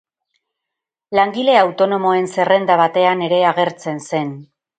Langile autonomoen zerrenda batean ere agertzen zen.